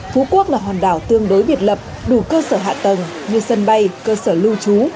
phú quốc là hòn đảo tương đối biệt lập đủ cơ sở hạ tầng như sân bay cơ sở lưu trú